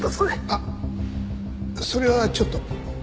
あっそれはちょっと。